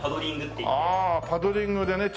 ああパドリングでね